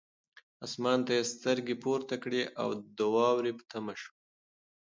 اسمان ته یې سترګې پورته کړې او د واورې په تمه شو.